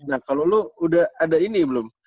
nah kalau lo udah ada ini belum